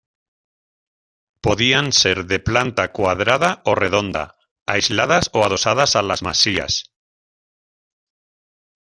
Podían ser de planta cuadrada o redonda, aisladas o adosadas a las masías.